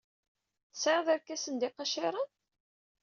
Tesɛid irkasen ed yiqaciren?